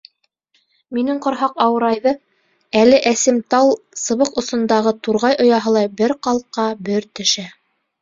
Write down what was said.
Минең ҡорһаҡ ауырайҙы, әле әсем тал сыбыҡ осондағы турғай ояһылай бер ҡалҡа, бер төшә.